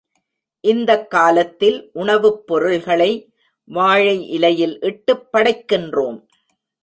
இந்தக் காலத்தில் உணவுப் பொருள்களை வாழை இலையில் இட்டுப் படைக்கின்றோம்.